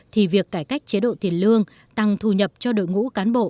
thì việc cải cách chế độ tiền lương tăng thu nhập cho đội ngũ cán bộ